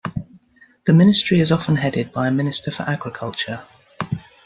The ministry is often headed by a minister for agriculture.